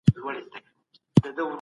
دا میز په ډېر هنر سره جوړ سوی دی.